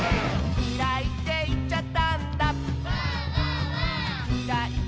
「きらいっていっちゃったんだ」